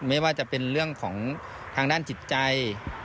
ไม่ว่าจะเป็นเรื่องของทางด้านจิตใจ